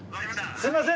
すみません。